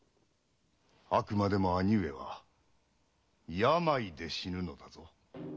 あくまでも兄上は病で死ぬのだぞ。